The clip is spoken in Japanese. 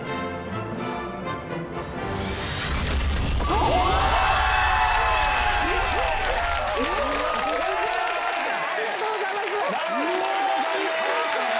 ありがとうございます。